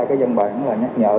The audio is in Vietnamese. cái dân bản là nhắc nhở